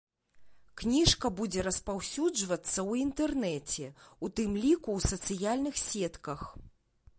Кніжка будзе распаўсюджвацца ў інтэрнэце, у тым ліку ў сацыяльных сетках.